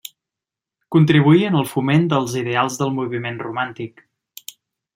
Contribuí en el foment dels ideals del moviment romàntic.